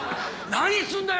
何すんだよ！